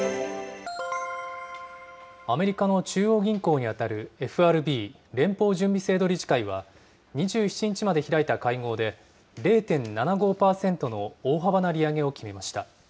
アメリカの中央銀行に当たるＦＲＢ・連邦準備制度理事会は、２７日まで開いた会合で、０．７５％の大幅な利上げを決めました。